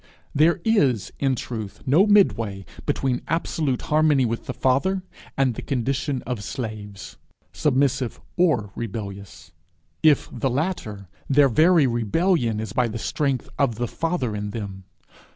There is, in truth, no mid way between absolute harmony with the Father and the condition of slaves submissive, or rebellious. If the latter, their very rebellion is by the strength of the Father in them.